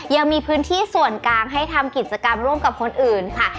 ยังมีพื้นที่ส่วนกลางให้ทำกิจกรรมร่วมกับคนอื่นค่ะ